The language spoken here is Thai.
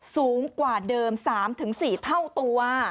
สูงกว่าเดิม๓๔เท่าตัว